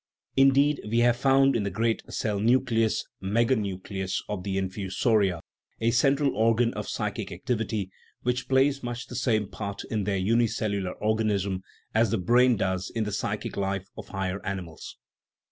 Indeed, we have found in the great cell nucleus (meganucleus) of the infusoria a central organ of psychic activity, which plays much the same part in their unicellular organism as the brain does in the psychic life of higher animals.